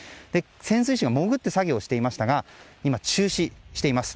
潜水士が潜って作業していましたが今、中止しています。